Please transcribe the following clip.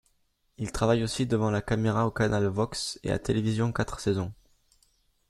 Il travaille aussi devant la caméra au Canal Vox et à Télévision Quatre Saisons.